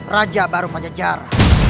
raja baru mengejar